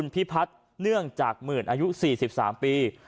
พิพัฒน์เนื่องจากหมื่นอายุ๔๓ปี